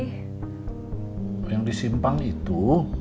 oh yang disimpang itu